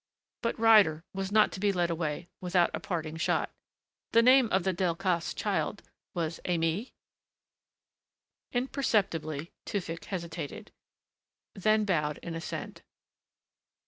But Ryder was not to be led away without a parting shot. "The name of the Delcassé child was Aimée?" Imperceptibly Tewfick hesitated. Then bowed in assent.